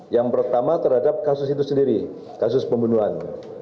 yang pertama terhadap kasus itu sendiri kasus pembunuhan